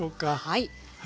はい。